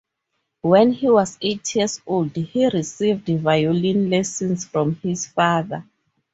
When he was eight years old he received violin lessons from his father.